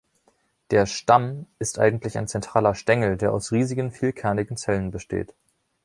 Der „Stamm“ ist eigentlich ein zentraler Stängel, der aus riesigen, vielkernigen Zellen besteht.